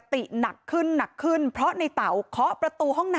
มีชายแปลกหน้า๓คนผ่านมาทำทีเป็นช่วยค่างทาง